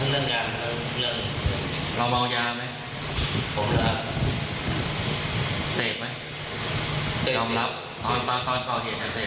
เราสามารถหาไหมผมรอเสร็จไหมยอมหรับตอนตอนตอนเกี่ยวมันเสร็จไหม